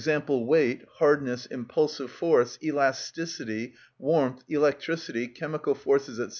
_, weight, hardness, impulsive force, elasticity, warmth, electricity, chemical forces, &c.